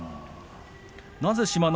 なぜ志摩ノ